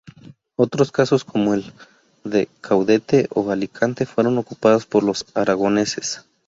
Otros casos como el de Caudete o Alicante fueron ocupadas por los aragoneses.